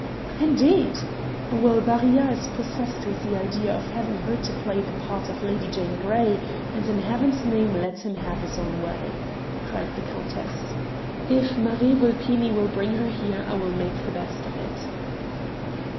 "Indeed! Well, Barillat is possessed with the idea of having her to play the part of Lady Jane Grey and in Heaven's name let him have his own way!" cried the countess. "If Marie Vulpini will bring her here I will make the best of it."